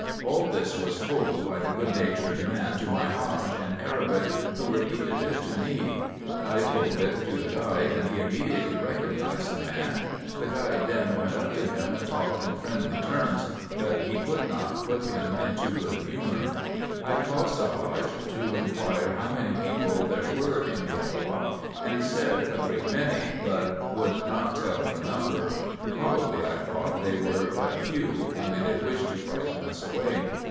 All this was told by the good natured man to my Hadge, in Arabic, who repeated it to me. I told it to the guide, and he immediately recognised the man. The guide then went up to him and talked in friendly terms, but he could not put him into good humour. I caused the Hadge to inquire how many people there were in the Elloah ; he said a great many, but would not tell the number : probably, I thought, they were but few, only they wished to frighten us away.